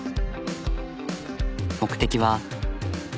目的は。